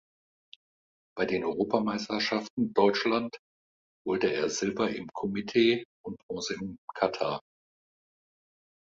Bei den Europameisterschaften Deutschland holte er Silber im Kumite und bronze im Kata.